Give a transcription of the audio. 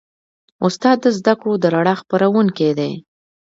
استاد د زدهکړو د رڼا خپروونکی دی.